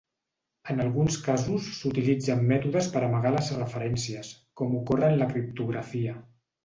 En alguns casos s'utilitzen mètodes per amagar les referències, com ocorre en la criptografia.